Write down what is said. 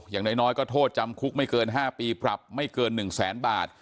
อย่างน้อยก็โทษจำคุกไม่เกิน๕ปีปรับไม่เกิน๑แสนบาท